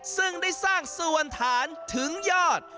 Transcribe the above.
ซึ่งได้สร้างส่วนฐานถึงยอด